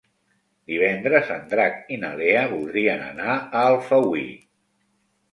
Divendres en Drac i na Lea voldrien anar a Alfauir.